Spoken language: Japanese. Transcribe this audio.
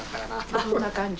あんな感じ